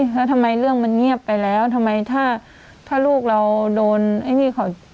แล้วทำไมเรื่องมันเงียบไปแล้วทำไมถ้าลูกเราโดนไอ้นี่เขา